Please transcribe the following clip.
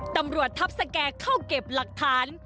ตำรวจทัพสแก่เข้าเก็บหลักฐาน